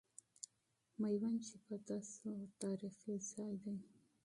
میوند چې فتح سو، تاریخي ځای دی.